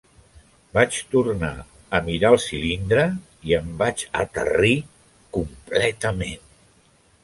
Vaig tornar a mirar el cilindre i em vaig aterrir completament.